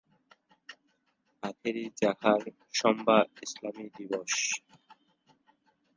আখেরী চাহার শম্বা ইসলামী দিবস।